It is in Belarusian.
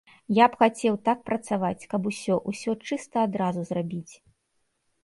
Я б хацеў так працаваць, каб усё, усё чыста адразу зрабіць!